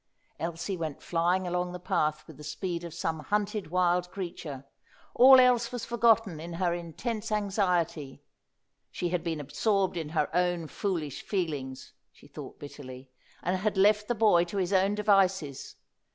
Elsie went flying along the path with the speed of some hunted wild creature. All else was forgotten in her intense anxiety. She had been absorbed in her own foolish feelings, she thought bitterly, and had left the boy to his own devices.